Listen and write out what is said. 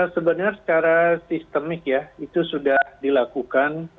sebenarnya secara sistemik ya itu sudah dilakukan